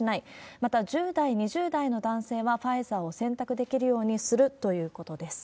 また１０代、２０代の男性はファイザーを選択できるようにするということです。